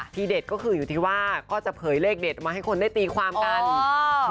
เด็ดก็คืออยู่ที่ว่าก็จะเผยเลขเด็ดมาให้คนได้ตีความกันอ่า